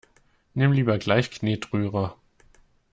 Nimm lieber gleich Knetrührer!